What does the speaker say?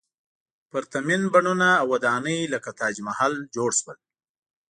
پرتمین بڼونه او ودانۍ لکه تاج محل جوړ شول.